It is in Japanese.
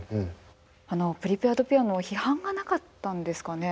あのプリペアド・ピアノは批判がなかったんですかね？